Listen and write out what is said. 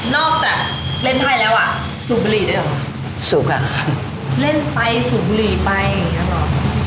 จากเล่นไทยแล้วอ่ะสูบบุหรี่ด้วยเหรอสูบอ่ะเล่นไปสูบบุหรี่ไปอย่างเงี้หรอ